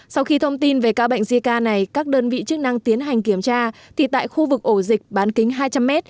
sau khi thông tin về ca bệnh jica này các đơn vị chức năng tiến hành kiểm tra thì tại khu vực ổ dịch bán kính hai trăm linh m